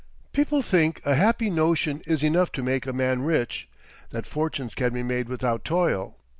People think a happy notion is enough to make a man rich, that fortunes can be made without toil.